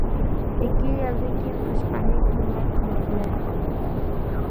ئىككى يىلدىن كىيىن قەشقەرنى تونۇماي قالىسىلەر.